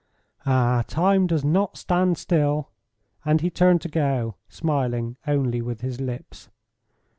"Ah, time does not stand still," and he turned to go, smiling only with his lips.